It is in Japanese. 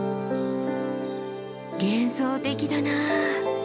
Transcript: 幻想的だなぁ。